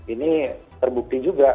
ini terbukti juga